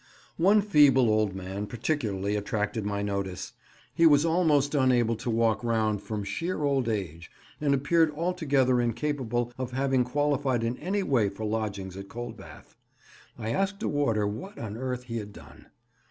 One feeble old man particularly attracted my notice. He was almost unable to walk round from sheer old age, and appeared altogether incapable of having qualified in any way for lodgings at Coldbath. I asked a warder what on earth he had done.